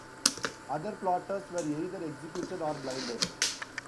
Other plotters were either executed or blinded.